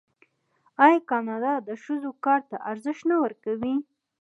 آیا کاناډا د ښځو کار ته ارزښت نه ورکوي؟